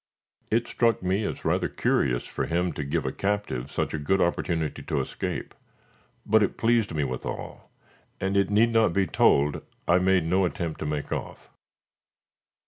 It struck me as rather curious for him to give a captive such a good opportunity to escape, but it pleased me withal, and it need not be told I made no attempt to make off.